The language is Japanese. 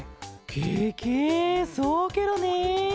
ケケそうケロね。